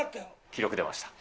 記録出ました。